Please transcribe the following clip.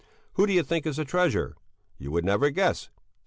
Who do you think is the treasurer? You would never guess!